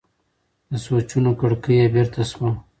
د سوچونو کړکۍ یې بېرته شوه.